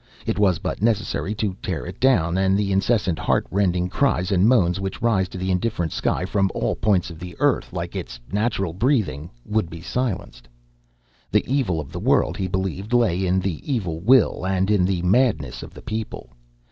It was but necessary to tear it down, and the incessant, heart rending cries and moans which rise to the indifferent sky from all points of the earth, like its natural breathing, would be silenced. The evil of the world, he believed, lay in the evil will and in the madness of the people.